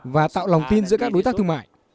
và tạo lòng tin giữa các đối tác thương mại